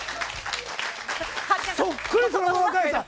そっくりそのまま返すよ。